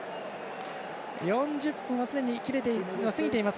４０分はすでに過ぎています。